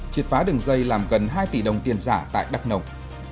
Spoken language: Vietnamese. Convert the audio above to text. chịt phá đường dây làm gần hai tỷ đồng tiền giả tại đắk nộng